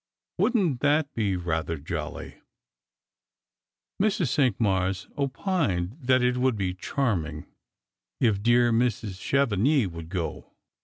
wouldn't that be rather jolly ?" Mrs. Cinqnaars opined that it would be charming — if dear Mrs. Chevenix would go.